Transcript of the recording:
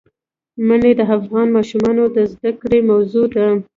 منی د افغان ماشومانو د زده کړې موضوع ده.